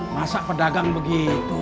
masa pedagang begitu